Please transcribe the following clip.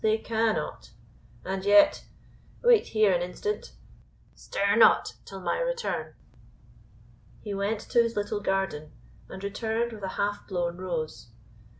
they cannot. And yet wait here an instant stir not till my return." He went to his little garden, and returned with a half blown rose.